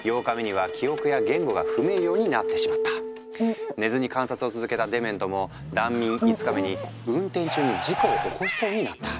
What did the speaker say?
すると寝ずに観察を続けたデメントも断眠５日目に運転中に事故を起こしそうになった。